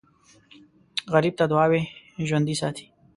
غریب ته دعا ژوندي ساتي